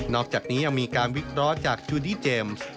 อกจากนี้ยังมีการวิเคราะห์จากจูดี้เจมส์